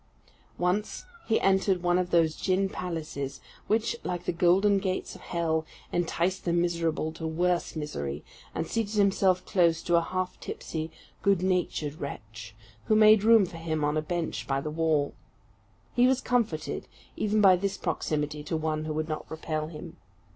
Once he entered one of those gin palaces, which, like the golden gates of hell, entice the miserable to worse misery, and seated himself close to a half tipsy, good natured wretch, who made room for him on a bench by the wall. He was comforted even by this proximity to one who would not repel him.